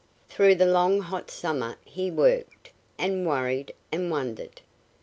Through the long hot summer he worked, and worried, and wondered.